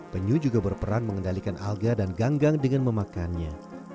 penyu juga berperan mengendalikan alga dan ganggang dengan memakannya